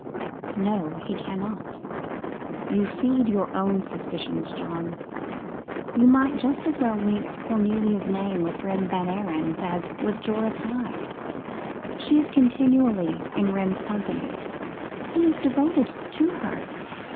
No, he cannot. You feed your own suspicions, John. You might just as well link Cornelia's name with Rem Van Ariens as with Joris Hyde. She is continually in Rem's company. He is devoted to her.